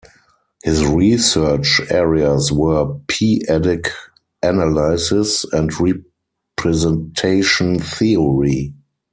His research areas were "p"-adic analysis and representation theory.